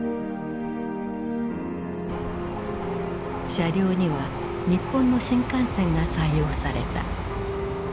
車両には日本の新幹線が採用された。